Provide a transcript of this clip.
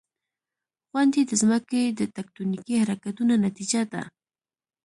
• غونډۍ د ځمکې د تکتونیکي حرکتونو نتیجه ده.